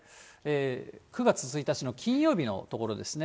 ９月１日の金曜日のところですね。